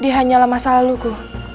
dia hanyalah masa laluku